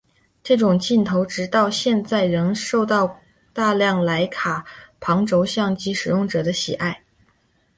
这种镜头直到现在仍受到大量莱卡旁轴相机使用者的喜爱。